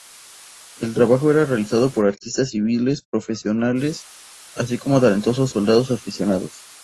El trabajo era realizado por artistas civiles profesionales, así como talentosos soldados aficionados.